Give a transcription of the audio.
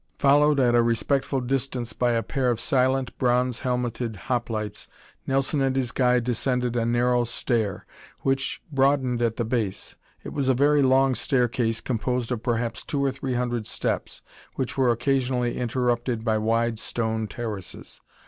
Followed at a respectful distance by a pair of silent, bronze helmeted hoplites, Nelson and his guide descended a narrow stair, which broadened at the base. It was a very long staircase composed of perhaps two or three hundred steps which were occasionally interrupted by wide stone terraces.